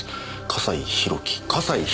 笠井宏樹？